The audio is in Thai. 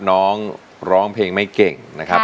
น้องร้องเพลงไม่เก่งนะครับ